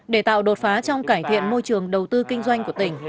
để tạo đột phá trong cải thiện môi trường đầu tư kinh doanh của tỉnh